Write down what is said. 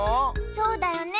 そうだよね。